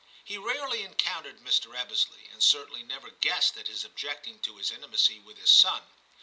He rarely encountered Mr. Ebbesley, and certainly never guessed at his objecting to his intimacy with his son.